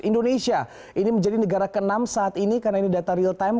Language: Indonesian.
indonesia ini menjadi negara ke enam saat ini karena ini data real time